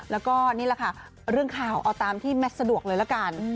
แล้วก็นี่แหละค่ะเรื่องข่าวเอาตามที่แมทสะดวกเลยละกัน